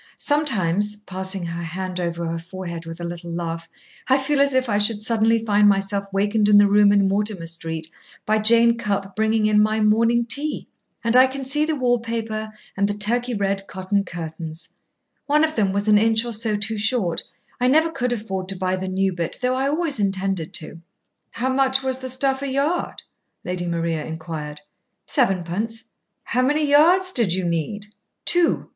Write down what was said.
Sometimes," passing her hand over her forehead with a little laugh, "I feel as if I should suddenly find myself wakened in the room in Mortimer Street by Jane Cupp bringing in my morning tea. And I can see the wallpaper and the Turkey red cotton curtains. One of them was an inch or so too short. I never could afford to buy the new bit, though I always intended to." "How much was the stuff a yard?" Lady Maria inquired. "Sevenpence." "How many yards did you need?" "Two.